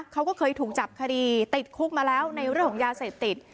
เขาก็เคยถูกจับคดีติดคุกมาแล้วในเรื่องของยาเสพติด